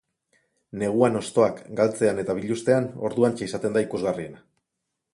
Neguan hostoak galtzean eta biluztean, orduantxe izaten da ikusgarriena.